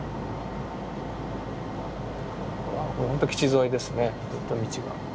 ほんと基地沿いですねずっと道が。